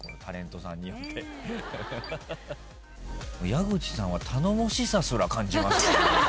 矢口さんは頼もしさすら感じます。